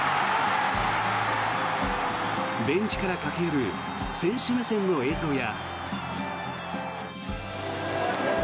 ベンチから駆け寄る選手目線の映像や。